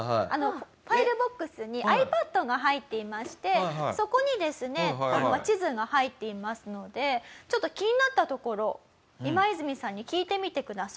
ファイルボックスにｉＰａｄが入っていましてそこにですね地図が入っていますのでちょっと気になったところイマイズミさんに聞いてみてください。